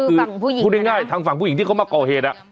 คือพูดง่ายทางฝั่งผู้หญิงที่เขามาก่อเหตุ